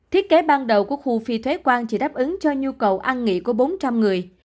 thiết kế ban đầu của khu phi thuế quan chỉ đáp ứng cho nhu cầu ăn nghỉ của bốn trăm linh người